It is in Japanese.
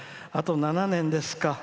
あと、７年ですか。